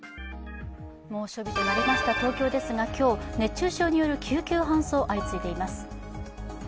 猛暑日となりました東京ですが、今日、熱中症による救急搬送相次いでいます。